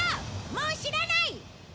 もう知らない！